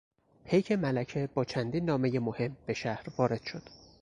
پیک ملکه با چندین نامهی مهم به شهر وارد شد.